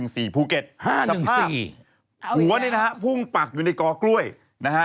สภาพหัวนี้นะครับพุ่งปักอยู่ในกอกล้วยนะฮะ